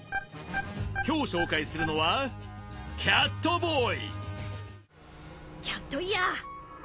今日紹介するのはキャット・イヤー。